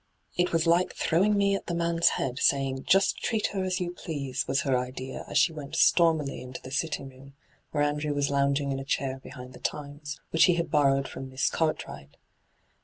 ' It was like throwing me at the man's head, saying :" Just treat her as yon please," ' was her idea as she went stormily into the sitting room where Andrew was lounging in a chair behind tiie Times, which he had borrowed from Miss Cartwright.